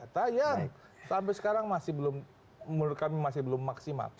data yang sampai sekarang menurut kami masih belum maksimal